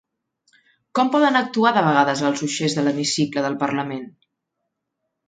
Com poden actuar de vegades els uixers de l'hemicicle del Parlament?